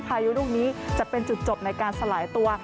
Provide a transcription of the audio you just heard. ทางสองแนวทางค่ะที่พายุลูกนี้จะเป็นจุดจบในการสลายตัว